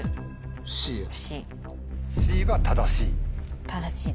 Ｃは正しい？